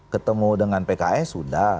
ketemu dengan pks sudah